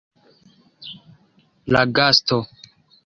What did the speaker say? La gasto.